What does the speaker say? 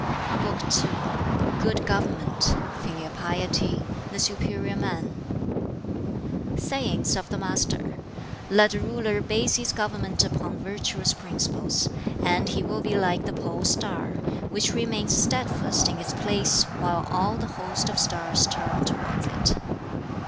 ] BOOK II Good Government Filial Piety The Superior Man Sayings of the Master: "Let a ruler base his government upon virtuous principles, and he will be like the pole star, which remains steadfast in its place, while all the host of stars turn towards it.